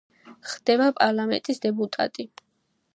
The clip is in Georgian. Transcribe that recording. ხდება პარლამენტის დეპუტატი.